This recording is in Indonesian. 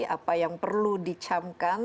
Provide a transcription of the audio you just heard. apa yang perlu dicamkan